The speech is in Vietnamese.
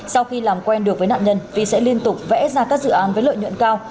sau khi làm quen được với nạn nhân vi sẽ liên tục vẽ ra các dự án với lợi nhuận cao